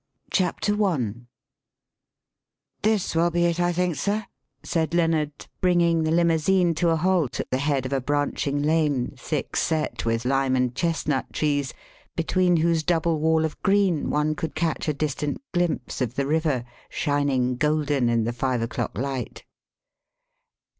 CHAPTER I "This will be it, I think, sir," said Lennard, bringing the limousine to a halt at the head of a branching lane, thick set with lime and chestnut trees between whose double wall of green one could catch a distant glimpse of the river, shining golden in the five o'clock light.